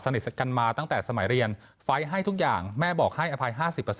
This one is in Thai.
กันมาตั้งแต่สมัยเรียนไฟล์ให้ทุกอย่างแม่บอกให้อภัย๕๐